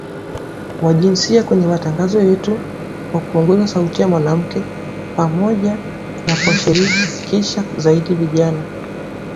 wa jinsia kwenye matangazo yetu kwa kuongeza sauti za wanawake pamoja na kuwashirikisha zaidi vijana